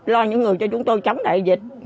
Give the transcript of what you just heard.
lo những người cho chúng tôi chống đại dịch